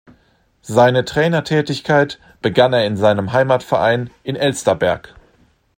Seine Trainertätigkeit begann er in seinem Heimatverein in Elsterberg.